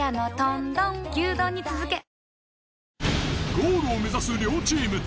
ゴールを目指す両チーム。